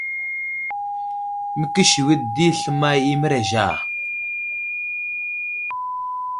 Məkəsewiɗ di sləmay i mərez Ja.